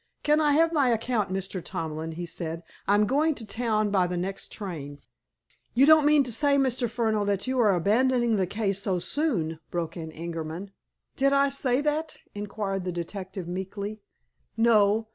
"Can I have my account, Mr. Tomlin?" he said. "I'm going to town by the next train." "You don't mean to say, Mr. Furneaux, that you are abandoning the case so soon?" broke in Ingerman. "Did I say that?" inquired the detective meekly. "No.